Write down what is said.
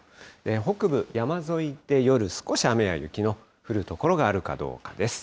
北部、山沿いで夜、少し雨や雪の降る所があるかどうかです。